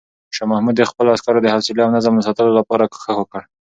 شاه محمود د خپلو عسکرو د حوصلې او نظم ساتلو لپاره کوښښ وکړ.